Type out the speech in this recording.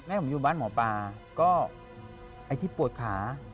ตอนที่ผมอยู่บ้านหมอปาก็อาทิตย์ปวดขา